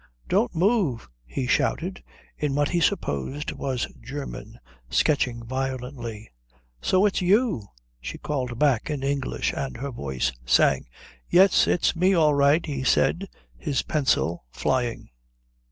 "Don't move," he shouted in what he supposed was German, sketching violently. "So it's you?" she called back in English, and her voice sang. "Yes, it's me all right," he said, his pencil flying.